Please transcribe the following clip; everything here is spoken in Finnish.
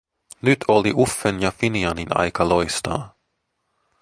Nyt oli Uffen ja Finianin aika loistaa.